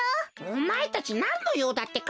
おまえたちなんのようだってか？